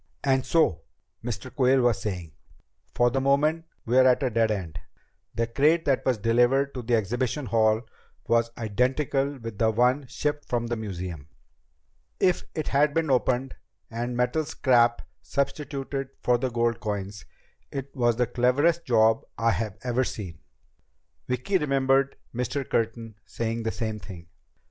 and so," Mr. Quayle was saying, "for the moment we're at a dead end. The crate that was delivered to the exhibition hall was identical with the one shipped from the museum. If it had been opened and metal scrap substituted for the gold coins, it was the cleverest job I've ever seen." Vicki remembered Mr. Curtin saying the same thing.